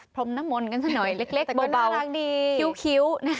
พรมน้ำมนกันซะหน่อยเล็กเบาคิ้วนะคะ